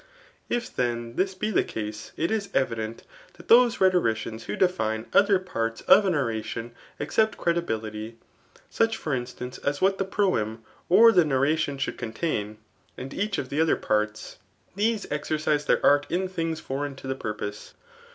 if then dus be the case^ it is evident dot dKiae rhelo ndans who define [other parts of an oration except cre dibittty] such for instance as what the proem or the nar* ration diould contain, and each of the odier part% — Aeae exercise their art in thii^ fbrc%n to the purpose.